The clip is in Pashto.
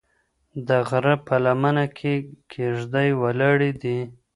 د غره په لمنه کې کيږدۍ ولاړې دي.